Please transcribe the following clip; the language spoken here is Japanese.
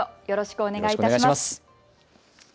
よろしくお願いします。